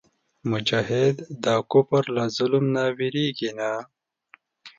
مجاهد د کفر له ظلم نه وېرېږي نه.